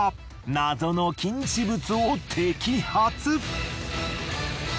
謎の禁止物を摘発！